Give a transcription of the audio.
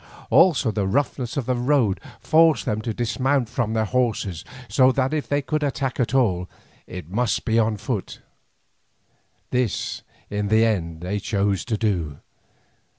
Also the roughness of the road forced them to dismount from their horses, so that if they would attack at all, it must be on foot. This in the end they chose to do.